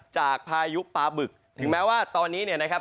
พายุปลาบึกถึงแม้ว่าตอนนี้เนี่ยนะครับ